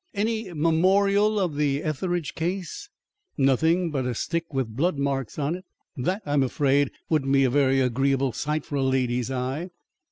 "Any memorial of the Etheridge case?" "Nothing but a stick with blood marks on it. That, I'm afraid, wouldn't be a very agreeable sight for a lady's eye."